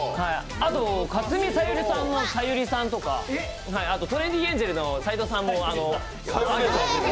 あとかつみ・さゆりさんのさゆりさんとか、トレンディエンジェルの斎藤さんも。